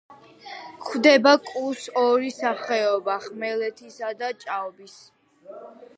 გვხვდება კუს ორი სახეობა: ხმელეთისა და ჭაობის.